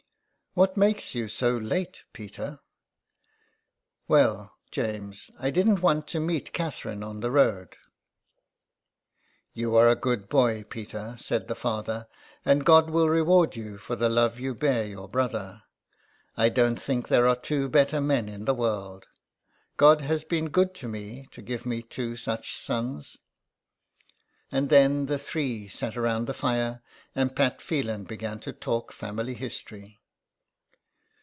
'' What makes you so late, Peter ?"" Well, James, I didn't want to meet Catherine on the road." ''You are a good boy, Peter," said the father, ^' and God will reward you for the love you bear your brother. I don't think there are two better men in the world. God has been good to me to give me two such sons." And then the three sat round the fire, and Pat Phelan began to talk family history.